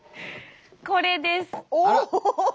これです。